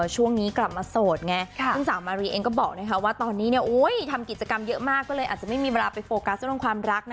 ช่วงนี้กลับมาโสดแน่ค่ะจึงสามรีย์เองก็บอกนะครัวว่าตอนนี้เนี่ยโอ้ทำกิจกรรมเยอะมากเลยอาจจะไม่มีเวลาไปโฟกัสด้วยความรัก